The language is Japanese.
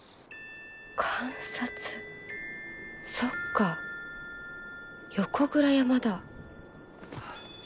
そっか横倉山だ。